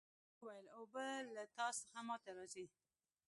وري وویل اوبه له تا څخه ما ته راځي.